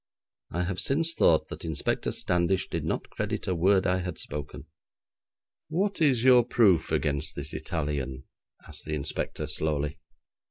I have since thought that Inspector Standish did not credit a word I had spoken. 'What is your proof against this Italian?' asked the Inspector slowly.